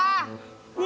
nanti baru nyaman nih